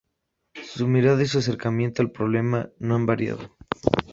Su mirada y su acercamiento al problema no han variado.